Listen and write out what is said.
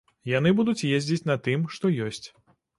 Яны будуць ездзіць на тым, што ёсць.